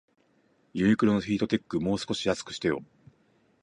ユニクロのヒートテック、もう少し安くしてよ